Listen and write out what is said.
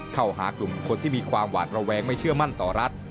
เข้าหากลุ่มคนที่มีความหวาดระแวงไม่เชื่อมั่นต่อรัฐ